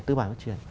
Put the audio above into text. tư bản phát triển